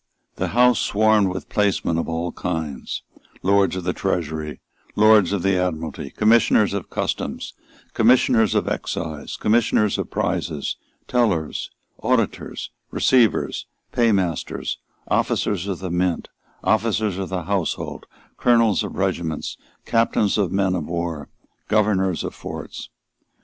The House swarmed with placemen of all kinds, Lords of the Treasury, Lords of the Admiralty, Commissioners of Customs, Commissioners of Excise, Commissioners of Prizes, Tellers, Auditors, Receivers, Paymasters, Officers of the Mint, Officers of the household, Colonels of regiments, Captains of men of war, Governors of forts.